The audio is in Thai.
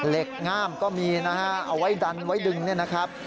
ง่ามก็มีนะฮะเอาไว้ดันไว้ดึงเนี่ยนะครับ